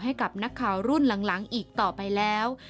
ให้กับนักข่าวรุ่นหลังอีกต่อไปแล้ว